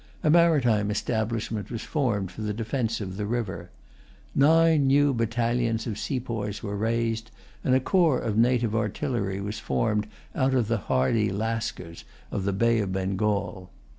A maritime establishment was formed for the defence of the river. Nine new battalions of sepoys were raised, and a corps of native artillery was formed out of the hardy Lascars of the Bay of Bengal.